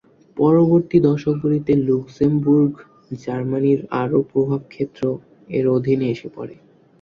পরবর্তী দশকগুলিতে লুক্সেমবুর্গ জার্মানির আরও প্রভাব ক্ষেত্র এর অধীনে এসে পড়ে।